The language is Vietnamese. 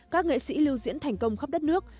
các nghệ sĩ lưu diễn thành công khắp đất nước